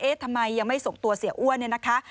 ทำไมยังไม่ส่งตัวเสียอ้วนเนี่ยนะคะ